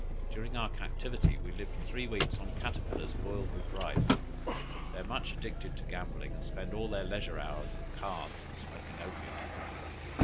During our captivity we lived three weeks on caterpillars boiled with rice. They are much addicted to gambling, and spend all their leisure hours at cards and smoking opium."